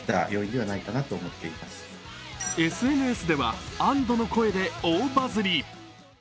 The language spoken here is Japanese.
ＳＮＳでは安どの声で大バズり。